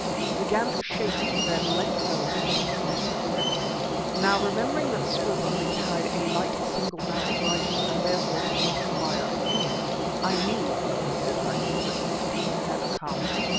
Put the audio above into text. It began to shake me, then let go to get a better grip. Now, remembering that Scroope only carried a light, single barrelled rifle, and therefore could not fire again, I knew, or thought I knew, that my time had come.